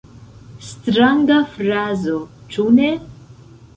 Stranga frazo, ĉu ne?